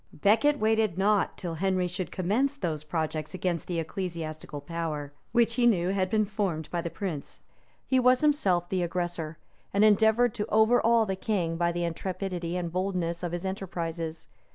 {1163.} Becket waited not till Henry should commence those projects against the ecclesiastical power, which he knew had been formed by that prince: he was himself the aggressor, and endeavored to overawe the king by the intrepidity and boldness of his enterprises.